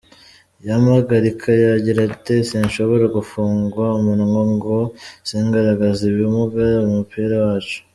Yampagarika yagira ate, sinshobora gufungwa umunwa ngo singaragaze ibimunga umupira wacu.